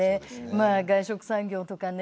まあ外食産業とかね